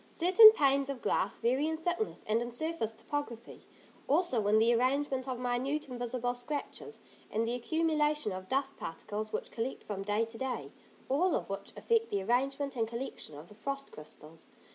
Certain panes of glass vary in thickness and in surface topography, also in the arrangement of minute, invisible scratches, and the accumulation of dust particles which collect from day to day, all of which affect the arrangement and collection of the frost crystals.